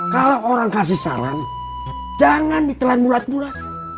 kalau orang kasih saran jangan ditelan bulat bulat